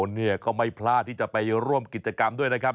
เนี่ยก็ไม่พลาดที่จะไปร่วมกิจกรรมด้วยนะครับ